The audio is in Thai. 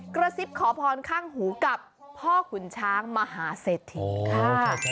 กระซิบขอพรข้างหูกับพ่อขุนช้างมหาเศรษฐีค่ะ